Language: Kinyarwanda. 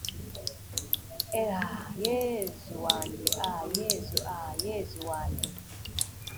r/ ah! yezu wanjye; ah! yezu! ah! yezu wanjye